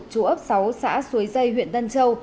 chủ ấp sáu xã suối dây huyện tân châu